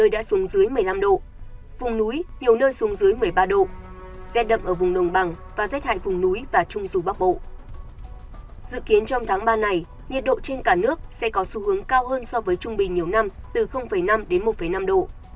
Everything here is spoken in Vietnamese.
dự kiến trong tháng ba này nhiệt độ trên cả nước sẽ có xu hướng cao hơn so với trung bình nhiều năm từ năm đến một năm độ